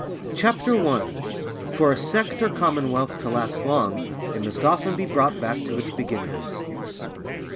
CHAPTER I.—_For a Sect or Commonwealth to last long, it must often be brought back to its Beginnings.